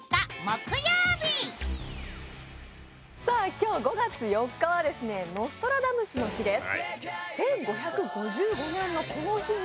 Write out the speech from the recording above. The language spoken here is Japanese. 今日５月４日はノストラダムスの日です。